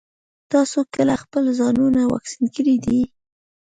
تاسو کله خپل ځانونه واکسين کړي دي؟